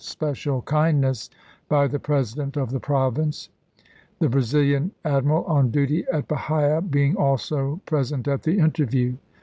special kindness by the president of the province ; the Brazilian admiral, on duty at Bahia, being also present at the interview.